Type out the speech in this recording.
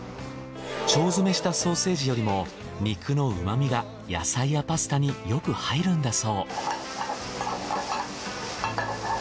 腸詰めしたソーセージよりも肉の旨みが野菜やパスタによく入るんだそう。